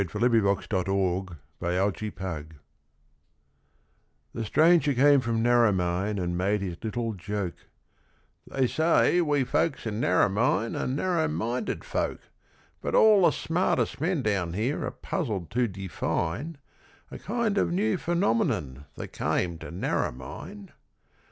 The City of Dreadful Thirst The stranger came from Narromine and made his little joke 'They say we folks in Narromine are narrow minded folk. But all the smartest men down here are puzzled to define A kind of new phenomenon that came to Narromine.